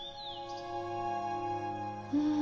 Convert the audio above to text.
うん。